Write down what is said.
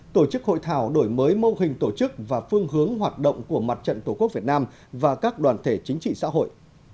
tổ chức hội thảo đổi mới mô hình tổ chức và phương hướng hoạt động của mặt trận tổ quốc việt nam và các đoàn thể chính trị xã hội